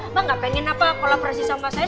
mbak gak pengen apa kolaborasi sama saya